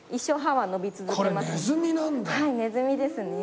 はいネズミですね。